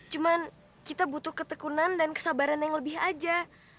cuma kita butuh ketekunan dan kesabaran yang lebih aja